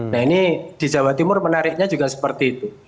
nah ini di jawa timur menariknya juga seperti itu